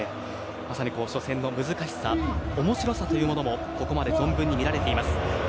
まさに初戦の難しさ面白さというものもここまで存分に見られています。